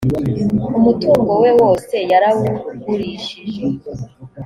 umutungo wewose yarawugurishije.